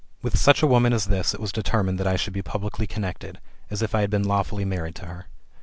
With such a woman as this it was determined that I should 4>e publicly connected, as if I had been lawfully married to her.